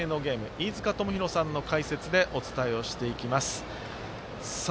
飯塚智広さんの解説でお伝えをしていきます。